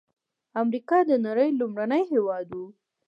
امریکا د نړۍ لومړنی هېواد و.